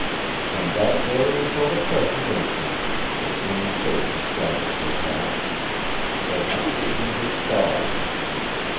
From that day until the present instant the same fate had shadowed her path; perhaps it was in her stars.